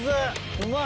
うまい。